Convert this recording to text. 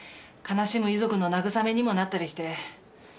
悲しむ遺族の慰めにもなったりして。